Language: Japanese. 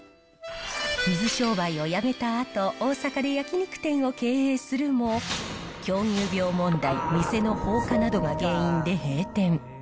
水商売を辞めたあと、大阪で焼き肉店を経営するも、狂牛病問題、店の放火などが原因で閉店。